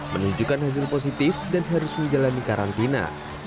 menunjukkan hasil positif dan harus menjalani karantina